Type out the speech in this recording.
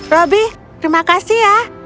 robby terima kasih ya